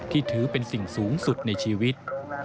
ที่ถือเป็นสิ่งสูงสุดในชีวิต